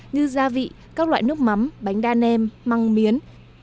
như gia vị các loại nước mắm bánh đa nem măng miến